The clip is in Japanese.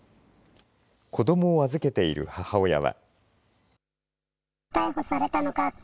子どもを預けている母親は。